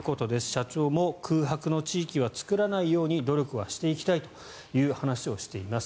社長も空白の地域は作らないように努力はしていきたいという話をしています。